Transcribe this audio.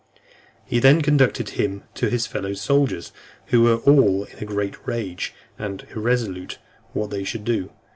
He then conducted him to his fellow soldiers, who were all in a great rage, and irresolute what they should do.